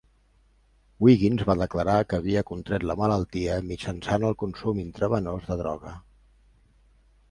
Wiggins va declarar que havia contret la malaltia mitjançant el consum intravenós de droga.